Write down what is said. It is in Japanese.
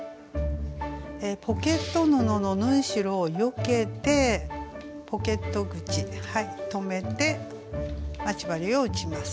ポケット布の縫い代をよけてポケット口留めて待ち針を打ちます。